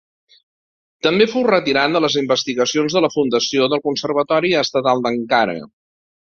També fou retirat de les investigacions de la fundació del Conservatori Estatal d'Ankara.